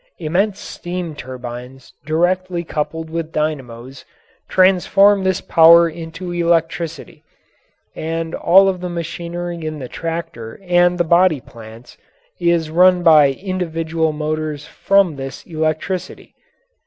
Immense steam turbines directly coupled with dynamos transform this power into electricity, and all of the machinery in the tractor and the body plants is run by individual motors from this electricity.